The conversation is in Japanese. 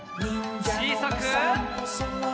ちいさく。